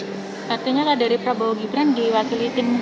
katanya lah dari prabowo gibran diwakili tim